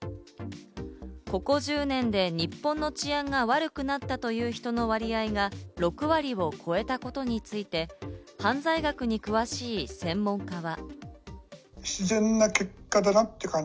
ここ１０年で日本の治安が悪くなったという人の割合が６割を超えたことについて、犯罪学に詳しい専門家は。